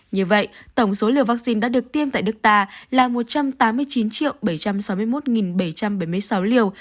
như vậy tổng số liều vaccine đã được tiêm tại nước ta là một trăm tám mươi chín bảy trăm sáu mươi một bảy trăm bảy mươi sáu liều